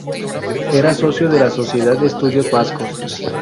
Era socio de la Sociedad de Estudios Vascos.